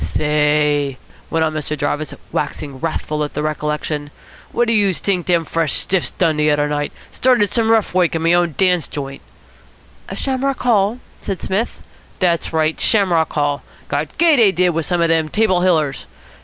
"Say," went on Mr. Jarvis, waxing wrathful at the recollection, "what do youse t'ink dem fresh stiffs done de udder night. Started some rough woik in me own dance joint." "Shamrock Hall?" said Psmith. "Dat's right. Shamrock Hall. Got gay, dey did, wit some of de Table Hillers.